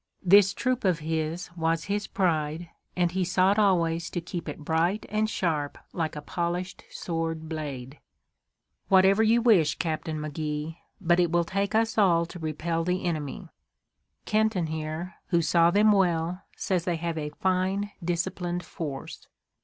This troop of his was his pride, and he sought always to keep it bright and sharp like a polished sword blade. "Whatever you wish, Captain McGee. But it will take us all to repel the enemy. Kenton here, who saw them well, says they have a fine, disciplined force."